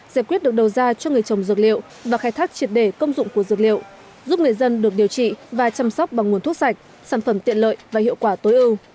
giải quyết được đầu ra cho người trồng dược liệu và khai thác triệt đề công dụng của dược liệu giúp người dân được điều trị và chăm sóc bằng nguồn thuốc sạch sản phẩm tiện lợi và hiệu quả tối ưu